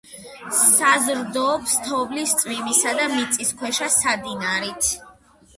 საზრდოობს თოვლის, წვიმისა და მიწისქვეშა სადინარით.